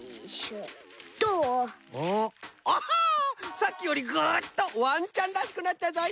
さっきよりグッとワンちゃんらしくなったぞい！